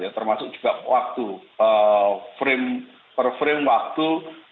termasuk juga waktu frame per frame waktu